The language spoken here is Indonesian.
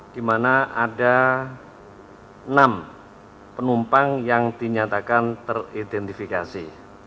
di mana ada enam penumpang yang dinyatakan teridentifikasi